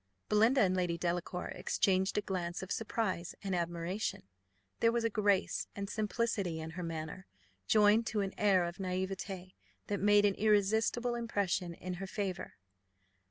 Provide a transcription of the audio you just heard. Belinda and Lady Delacour exchanged a glance of surprise and admiration. There was a grace and simplicity in her manner, joined to an air of naïveté, that made an irresistible impression in her favour.